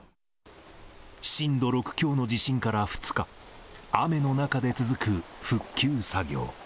震度６強の地震から２日、雨の中で続く復旧作業。